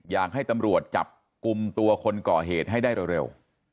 อยากให้ตำรวจจับกลุ่มตัวคนก่อเหตุให้ได้เร็ว